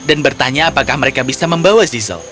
dan bertanya apakah mereka bisa membawa zizel